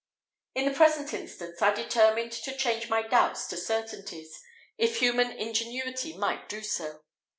In the present instance, I determined to change my doubts to certainties, if human ingenuity might do so.